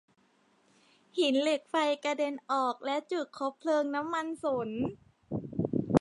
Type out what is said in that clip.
หินเหล็กไฟได้กระเด็นออกและจุดคบเพลิงน้ำมันสน